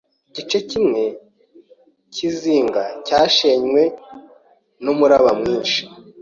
Igice kimwe cyizinga cyashenywe numuraba mwinshi.